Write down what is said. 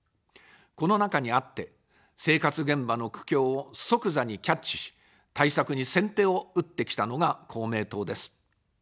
この中にあって、生活現場の苦境を即座にキャッチし、対策に先手を打ってきたのが公明党です。